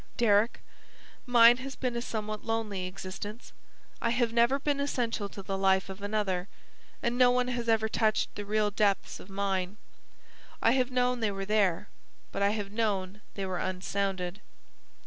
"Deryck, mine has been a somewhat lonely existence. I have never been essential to the life of another, and no one has ever touched the real depths of mine. I have known they were there, but I have known they were unsounded."